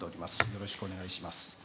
よろしくお願いします。